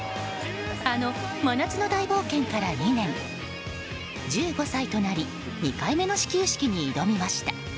あの真夏の大冒険から２年１５歳となり２回目の始球式に挑みました。